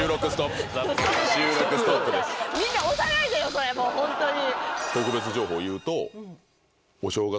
それもうホントに！